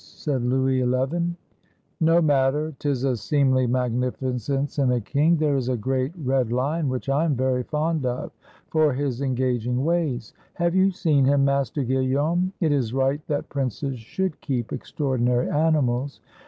said Louis XL "No matter: 't is a seemly magnificence in a king. There is a great red lion which I am very fond of for his engaging ways. Have you seen him, Master Guillaume? It is right that princes should keep extraordinary animals.